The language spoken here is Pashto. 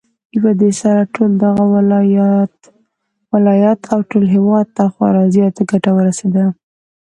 پدې سره ټول دغه ولايت او ټول هېواد ته خورا زياته گټه ورسېده